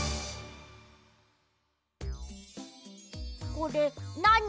これなに？